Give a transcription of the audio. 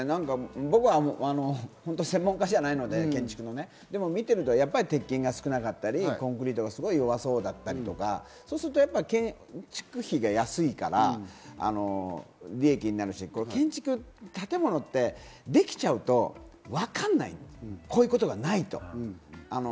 僕は専門家じゃないので、建築のね、見ていると鉄筋が少なかったり、コンクリートが弱そうだったり、そうすると建築費が安いから利益になるし、建物ってできちゃうと、わかんないんだよ、こういうことがないと。